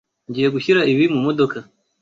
Ngiye gushyira ibi mumodoka.